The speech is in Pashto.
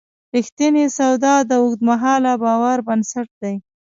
رښتینې سودا د اوږدمهاله باور بنسټ دی.